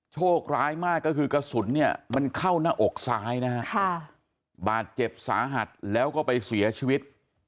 โชคร้ายมากก็คือกระสุนเนี่ยมันเข้าหน้าอกซ้ายนะฮะบาดเจ็บสาหัสแล้วก็ไปเสียชีวิต